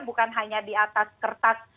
bukan hanya di atas kertas